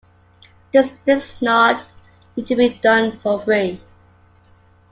This does not need to be done for free.